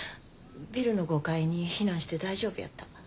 ビルの５階に避難して大丈夫やった。